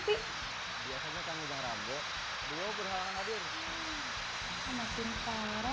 biasanya kami bang rambo beliau berhalangan hadir